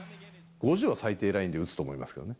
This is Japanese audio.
５０は最低ラインで打つと思いますけどね。